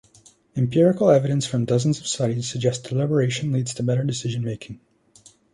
Empirical evidence from dozens of studies suggests deliberation leads to better decision making.